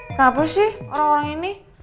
kenapa sih orang orang ini